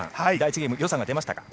ゲームよさが出ましたか？